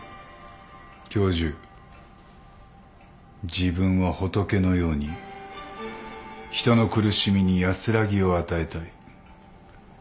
自分は仏のように人の苦しみに安らぎを与えたい。